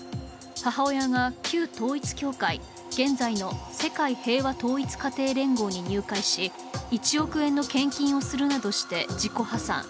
母親が旧統一教会、現在の世界平和統一家庭連合に入会し、１億円の献金をするなどして自己破産。